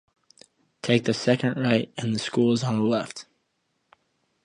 Take the second right and the school is on the left.